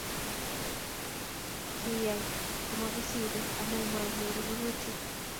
Kiyai komakosirei amu manyori rurutik